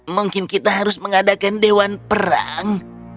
mungkin kita harus mengadakan dewan perang